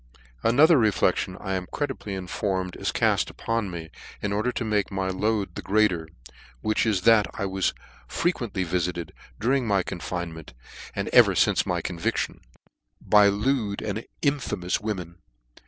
Another reflection, I am credibly informed, is call upon me, in order to make my load the greater : which is, that I was frequently vifitcd, during my confinement, and even fince my con viftion, by lewd and infamous women.